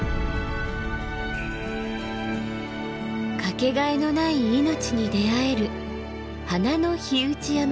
かけがえのない命に出会える花の火打山です。